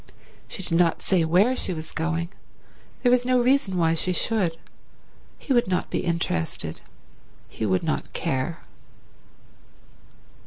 She did not say where she was going; there was no reason why she should; he would not be interested, he would not care.